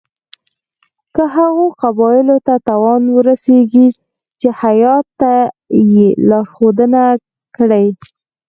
که هغو قبایلو ته تاوان ورسیږي چې هیات ته یې لارښودنه کړې.